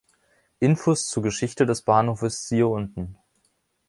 Infos zu Geschichte des Bahnhofes siehe unten.